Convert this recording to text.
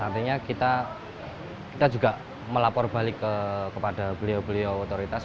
artinya kita juga melapor balik kepada beliau beliau otoritas